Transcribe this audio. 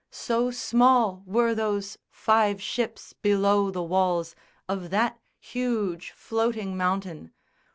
So small were those five ships below the walls Of that huge floating mountain.